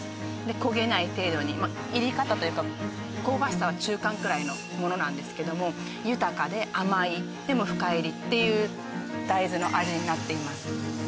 焦げない程度に煎り方というか香ばしさは中間くらいのものなんですけども豊かで甘いでも深煎りっていう大豆の味になっています